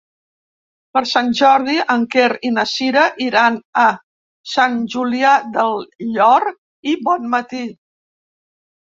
Per Sant Jordi en Quer i na Sira iran a Sant Julià del Llor i Bonmatí.